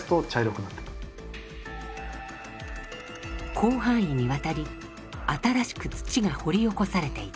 広範囲にわたり新しく土が掘り起こされていた。